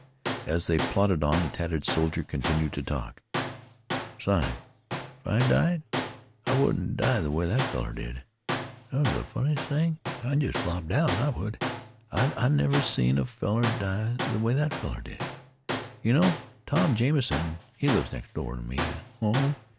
As they plodded on the tattered soldier continued to talk. "Besides, if I died, I wouldn't die th' way that feller did. That was th' funniest thing. I'd jest flop down, I would. I never seen a feller die th' way that feller did. "Yeh know Tom Jamison, he lives next door t' me up home.